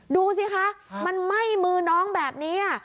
ดูสิคะมันไหม้มือน้องแบบนี้